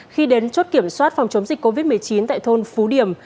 khi đến chốt kiểm soát phòng chống dịch covid một mươi chín tại thôn phú điểm